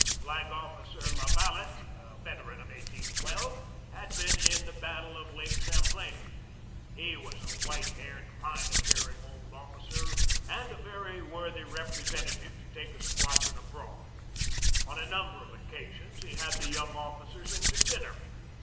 Flag Officer La Valette, a veteran of 1812, had been in the battle of Lake Champlain. He was a white haired, fine appearing old officer and a very 23 24 GEORGE DEWEY worthy representative to take a squadron abroad. On a number of occasions he had the young officers in to dinner.